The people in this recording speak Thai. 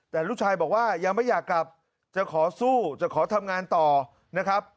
แต่ลูกชายบอกว่ายังไม่อยากกลับจะขอสู้จะขอทำงานต่อนะครับ